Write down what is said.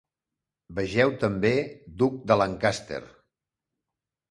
Vegeu també Duc de Lancaster.